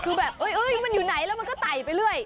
คือแบบมันอยู่ไหนแล้วมันก็ไต่ไปเรื่อย